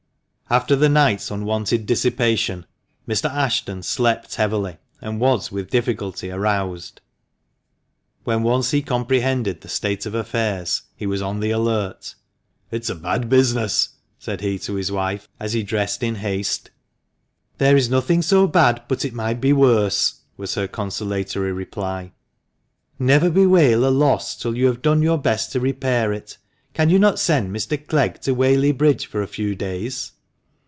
After the night's unwonted dissipation, Mr. Ashton slept heavily, and was with difficulty aroused. When once he com prehended the state of affairs, he was on the alert. " It's a bad business !" said he to his wife, as he dressed in haste. "' There is nothing so bad, but it might be worse,' " was her consolatory reply. " Never bewail a loss till you have done your best to repair it. Can you not send Mr. Clegg to Whaley Bridge for a few days?"